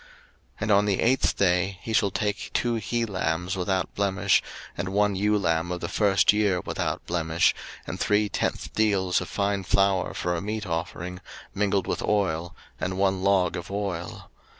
03:014:010 And on the eighth day he shall take two he lambs without blemish, and one ewe lamb of the first year without blemish, and three tenth deals of fine flour for a meat offering, mingled with oil, and one log of oil.